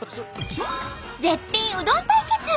絶品うどん対決！